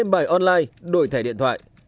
gamebite online đổi thẻ điện thoại